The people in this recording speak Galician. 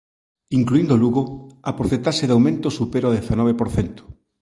Incluíndo Lugo, a porcentaxe de aumento supera o dezanove por cento.